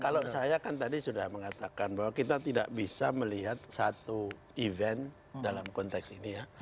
kalau saya kan tadi sudah mengatakan bahwa kita tidak bisa melihat satu event dalam konteks ini ya